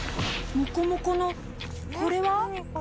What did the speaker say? もこもこのこれは？